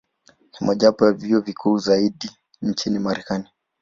Ni moja ya vyuo vikuu vingi zaidi nchini Marekani.